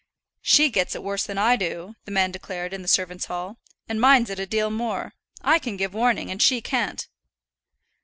"She gets it worse than I do," the man declared in the servants' hall; "and minds it a deal more. I can give warning, and she can't."